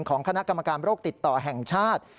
ของคณะกรรมการโรคติดต่อแห่งชาติ